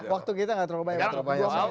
waktu kita nggak terlalu banyak